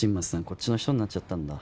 こっちの人になっちゃったんだ